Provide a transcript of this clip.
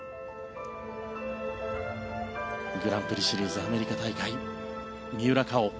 グランプリシリーズアメリカ大会三浦佳生